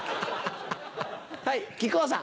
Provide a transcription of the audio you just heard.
はい木久扇さん。